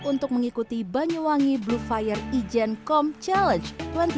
untuk mengikuti banyuwangi blue fire ijen com challenge dua ribu dua puluh dua